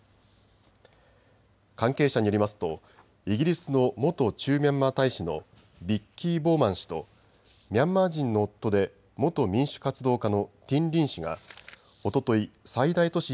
関係者によりますとイギリスの元駐ミャンマー大使のビッキー・ボウマン氏とミャンマー人の夫で元民主活動家のティン・リン氏がおととい最大都市